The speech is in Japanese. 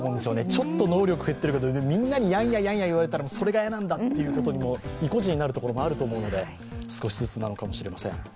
ちょっと能力減っているけど、みんなにやんややんや言われたらそれが嫌なんだってことにもいこじになることもあるので少しずつなのかもしれません。